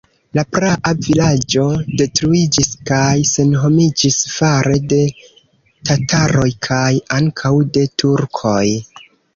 La praa vilaĝo detruiĝis kaj senhomiĝis fare de tataroj kaj ankaŭ de turkoj.